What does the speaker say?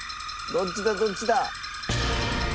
どっちだどっちだ？